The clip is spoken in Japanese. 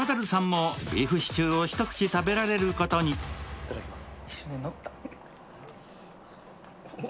いただきます。